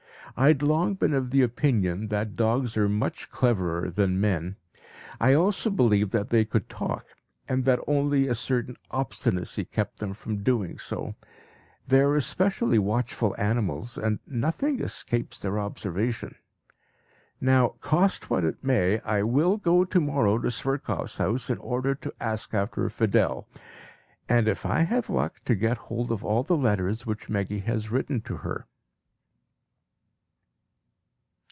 I had long been of the opinion that dogs are much cleverer than men. I also believed that they could talk, and that only a certain obstinacy kept them from doing so. They are especially watchful animals, and nothing escapes their observation. Now, cost what it may, I will go to morrow to Sverkoff's house in order to ask after Fidel, and if I have luck, to get hold of all the letters which Meggy has written to her.